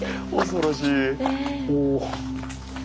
恐ろしい。